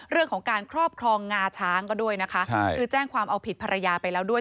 เรื่องของการครอบครองงาช้างก็ด้วยนะคะคือแจ้งความเอาผิดภรรยาไปแล้วด้วย